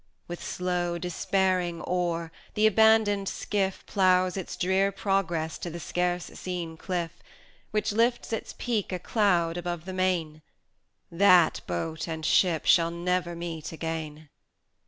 [fc] With slow, despairing oar, the abandoned skiff Ploughs its drear progress to the scarce seen cliff, Which lifts its peak a cloud above the main: That boat and ship shall never meet again!